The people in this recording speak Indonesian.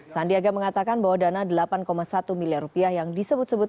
sandiaga mengatakan bahwa dana delapan satu miliar rupiah yang disebut sebut